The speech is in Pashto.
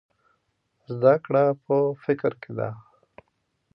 زده کړه په فکر کې ده.